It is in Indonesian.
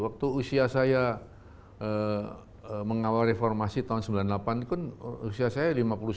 waktu usia saya mengawal reformasi tahun sembilan puluh delapan pun usia saya lima puluh sembilan